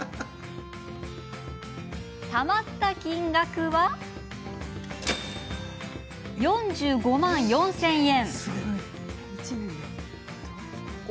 たまった金額は４５万４０００円。